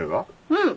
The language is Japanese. うん。